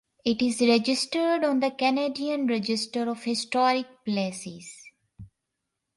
It is registered on the Canadian Register of Historic Places.